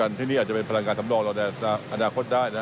ต้องสนใจเป็นการสำรวจและประติศาสนี้